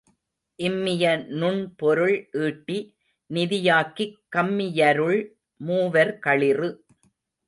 இம்மிய நுண்பொருள் ஈட்டி நிதியாக்கிக் கம்மியருள் மூவர் களிறு.